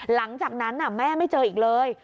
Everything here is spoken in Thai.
หลังจากนั้นแม่ไม่เจออีกเลย